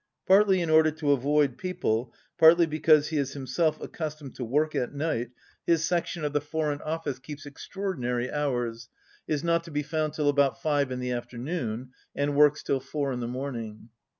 Partly in order to avoid people, partly because he is himself accus tomed to work at night, his section of the foreign office keeps extraordinary hours, is not to be found till about five in the afternoon and works till four in the morning.